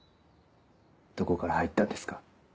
どこから入ったんですか？